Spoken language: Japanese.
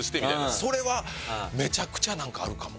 それはめちゃくちゃ何かあるかも。